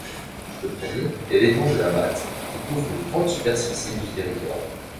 Le premier est l'étang de la Matte qui couvre une grande superficie du territoire.